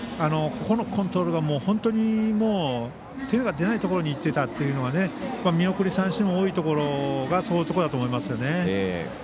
ここのコントロールが本当に手が出ないところにいってたというのが見送り三振も多いところがそういうところだと思いますね。